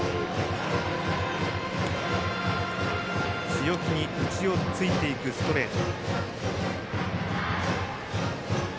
強気に内をついていくストレート。